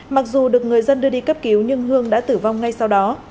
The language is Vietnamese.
mặc dù được người dân đưa đi cấp cứu nhưng hương đã tử vong ngay sau đó